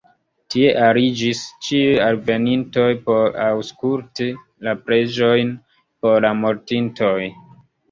Tie ariĝis ĉiuj alvenintoj por aŭskulti la preĝojn por la mortintoj.